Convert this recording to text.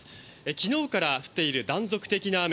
昨日から降っている断続的な雨。